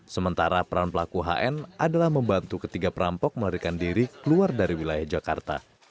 sementara peran pelaku hn adalah membantu ketiga perampok melarikan diri keluar dari wilayah jakarta